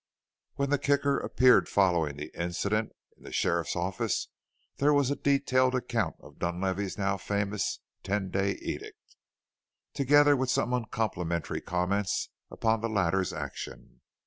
When the Kicker appeared following the incident in the sheriff's office, there was a detailed account of Dunlavey's now famous "ten day edict," together with some uncomplimentary comments upon the latter's action.